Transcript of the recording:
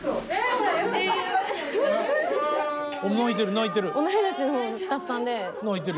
泣いてる泣いてる。